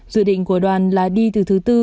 dự định của đoàn là đi từ thứ tư